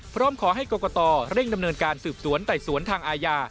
พร้อมขอให้กรกตเร่งดำเนินการสืบสวนไต่สวนทางอาญา